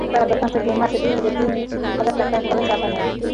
তারা দোকানপ্রতি মাসে দুই থেকে তিন হাজার টাকা করে চাঁদা নেয়।